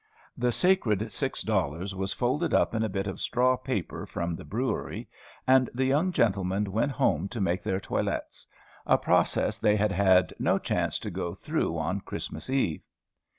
The sacred six dollars was folded up in a bit of straw paper from the brewery, and the young gentlemen went home to make their toilets, a process they had had no chance to go through, on Christmas eve.